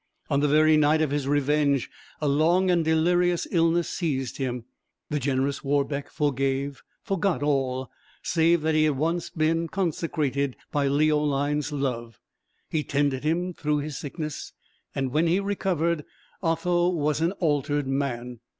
On the very night of his revenge a long and delirious illness seized him; the generous Warbeck forgave, forgot all, save that he had been once consecrated by Leoline's love. He tended him through his sickness, and when he recovered, Otho was an altered man.